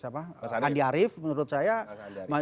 andi arief menurut saya